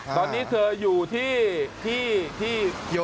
ค่ะตอนนี้เธออยู่ที่โรงงานประเทศแล้วใช่ไหม